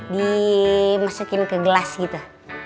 dimasukin ke gelas gitu